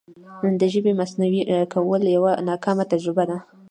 د ژبې مصنوعي کول یوه ناکامه تجربه ده.